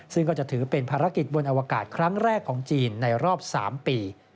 ซึ่งก็จะถือเป็นภารกิจบนอวกาศครั้งแรกของจีนในรอบ๓ปี